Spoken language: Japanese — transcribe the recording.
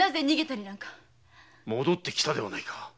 戻ってきたではないか。